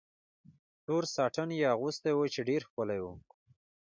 تور ساټن یې اغوستی و، چې ډېر ښکلی و.